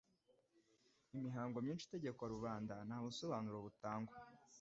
Imihango myinshi itegekwa rubanda nta busobanuro butangwa